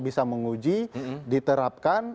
bisa menguji diterapkan